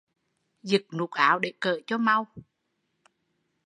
Dực nút áo để cởi cho mau